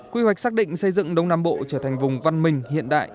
quy hoạch xác định xây dựng đông nam bộ trở thành vùng văn minh hiện đại